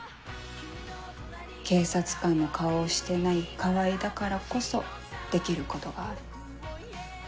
警察官の顔をしてない川合だからこそできることがある。